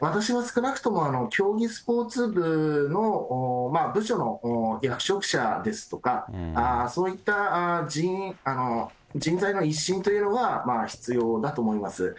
私は少なくとも競技スポーツ部の部署の役職者ですとか、そういった人材の一新というのが必要だと思います。